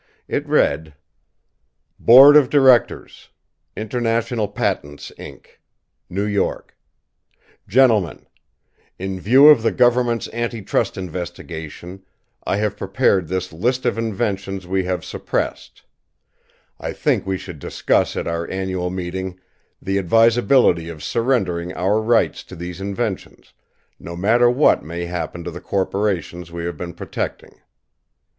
It read: BOARD OF DIRECTORS, International Patents, Inc., New York. GENTLEMEN, In view of the government's anti trust investigation, I have prepared this list of inventions we have suppressed. I think we should discuss at our annual meeting the advisability of surrendering our rights to these inventions, no matter what may happen to the corporations we have been protecting.